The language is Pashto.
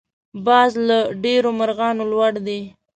باز له ډېرو مرغانو لوړ دی